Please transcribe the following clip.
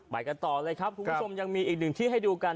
ไปกันต่อเลยครับคุณผู้ชมยังมีอีกหนึ่งที่ให้ดูกัน